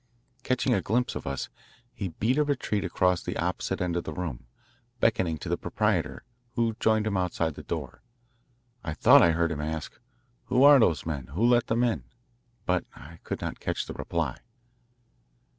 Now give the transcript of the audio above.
Catching a glimpse of us, he beat a retreat across the opposite end of the room, beckoning to the proprietor, who joined him outside the door. I thought I heard him ask: "Who are those men? Who let them in?" but I could not catch the reply.